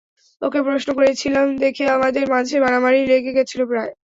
ওকে প্রশ্ন করেছিলাম দেখে আমাদের মাঝে মারামারি লেগে গেছিল প্রায়।